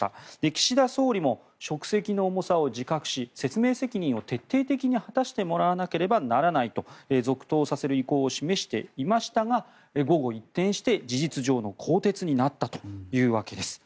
岸田総理も職責の重さを自覚し説明責任を徹底的に果たしてもらわなければならないと続投させる意向を示していましたが午後、一転して事実上の更迭になったというわけです。